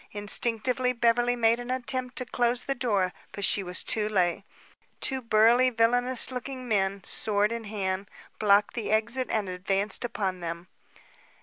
Instinctively, Beverly made an attempt to close the door; but she was too late. Two burly, villainous looking men, sword in hand, blocked the exit and advanced upon them.